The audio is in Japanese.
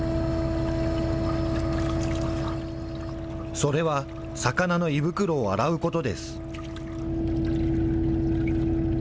それは、魚の胃袋を洗うことです。